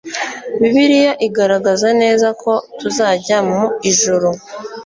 Bibiliya igaragaza neza ko tuzajya mu ijuru